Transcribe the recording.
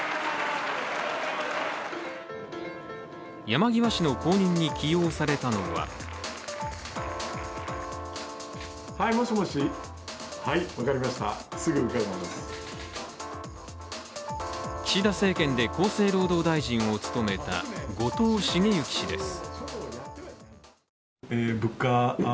山際氏の後任に起用されたのは岸田政権で厚生労働大臣を務めた後藤茂之氏です。